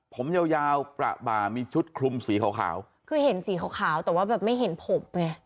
ผมยาวยาวประบ่ามีชุดคลุมสีขาวขาวคือเห็นสีขาวขาวแต่ว่าแบบไม่เห็นผมไง